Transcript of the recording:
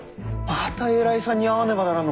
また偉いさんに会わねばならんのか。